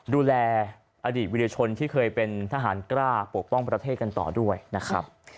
ดูแลอดีตวิทยาชนที่เคยเป็นทหารกล้าปกป้องประเทศกันต่อด้วยนะครับ